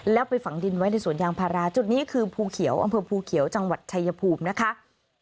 แล้วไปฝังดินไว้ในสวนยางพาราจุดนี้คือภูเขียวอำเภอภูเขียวจังหวัดชายภูมินะคะ